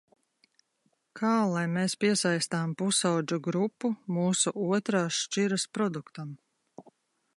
Kā lai mēs piesaistām pusaudžu grupu mūsu otrās šķiras produktam?